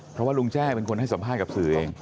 เพราะว่าลุงแจ้เป็นคนให้สัมภาษณ์กับสื่อเอง